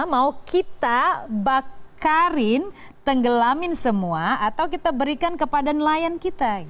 mau kita bakarin tenggelamin semua atau kita berikan kepada nelayan kita